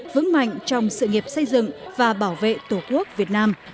vững mạnh trong sự nghiệp xây dựng và bảo vệ tổ quốc việt nam